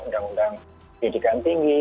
undang undang pendidikan tinggi